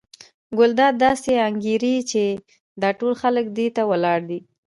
ګلداد داسې انګېري چې دا ټول خلک ده ته ولاړ دي.